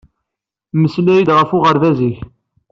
Mmeslay-iyi-d ɣef uɣerbaz-ik.